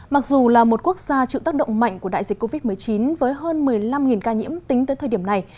mặc dù là một quốc gia chịu tác động mạnh của đại dịch covid một mươi chín với hơn một mươi năm ca nhiễm tính tới thời điểm này